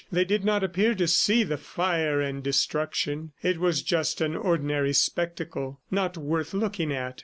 They did not appear to see the fire and destruction; it was just an ordinary spectacle, not worth looking at.